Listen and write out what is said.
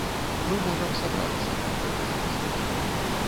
Мы можам сабрацца, выказацца.